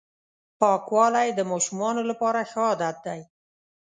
پاکوالی د ماشومانو لپاره ښه عادت دی.